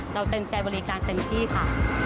เต็มใจบริการเต็มที่ค่ะ